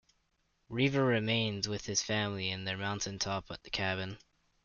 Weaver remained with his family in their mountain top cabin.